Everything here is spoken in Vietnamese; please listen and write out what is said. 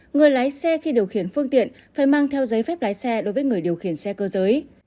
người lái xe khi điều khiển phương tiện phải mang theo giấy phép lái xe đối với người điều khiển xe cơ giới